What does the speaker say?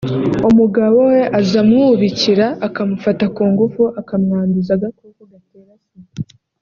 umugabo we azamwubikira akamufata ku ngufu akamwanduza agakoko gatera Sida